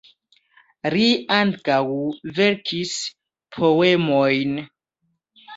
Li ankaŭ verkis poemojn.